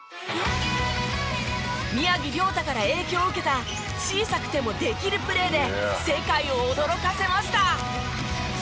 宮城リョータから影響を受けた小さくてもできるプレーで世界を驚かせました。